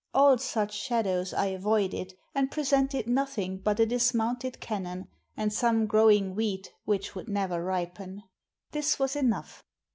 All such shadows I avoided, and presented nothing but a dismounted cannon, and some growing wheat which would never ripen. "This was enough.